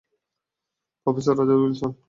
Professor Roger Wilson!